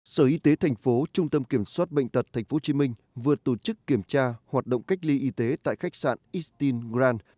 sở y tế tp hcm vừa tổ chức kiểm tra hoạt động cách ly y tế tại khách sạn eastin grand